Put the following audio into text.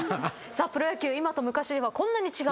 プロ野球今と昔ではこんなに違う。